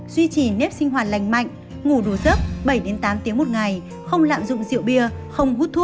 duy trì nếp sinh hoạt lành mạnh ngủ đủ giấc bảy tám tiếng một ngày không lạm dụng rượu bia không hút thuốc